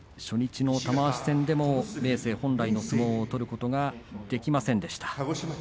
初日の玉鷲戦でも明生本来の相撲を取ることができませんでした。